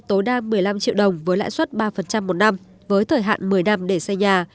triệu đồng với lãi suất ba một năm với thời hạn một mươi năm để xây nhà